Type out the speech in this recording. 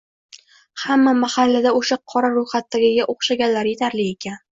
Hamma mahallada o`sha Qora ro`yxatdagiga o`xshaganlar etarli ekan